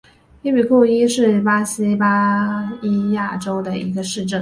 伊比库伊是巴西巴伊亚州的一个市镇。